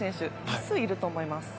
多数いると思います。